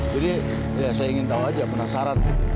jadi ya saya ingin tahu aja penasaran